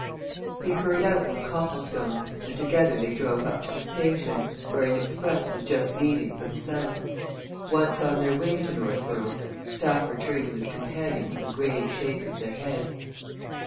He hurried out with Copplestone and together they drove up to the station, where an express was just leaving for the south. Once on their way to Northborough, Stafford turned to his companion with a grave shake of the head.